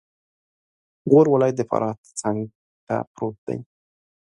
غور ولایت د فراه څنګته پروت دی